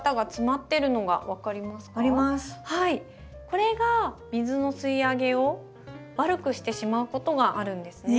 これが水の吸いあげを悪くしてしまうことがあるんですね。